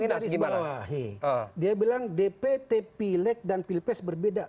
saya tadi di bawah dia bilang dpt pileg dan pilpes berbeda